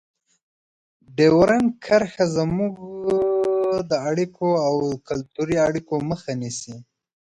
ډیورنډ کرښه زموږ د اړیکو او کلتوري اړیکو مخه نیسي.